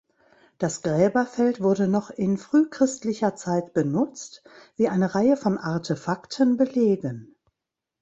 Das Gräberfeld wurde noch in frühchristlicher Zeit benutzt, wie eine Reihe von Artefakten belegen.